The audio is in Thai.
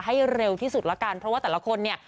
ให้เร็วที่สุดละกันเพราะว่าแต่ละคนเนี่ย